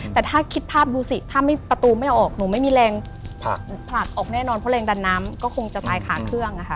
แต่ถ้าคิดภาพดูสิถ้าประตูไม่ออกหนูไม่มีแรงผลักออกแน่นอนเพราะแรงดันน้ำก็คงจะตายขาเครื่องนะคะ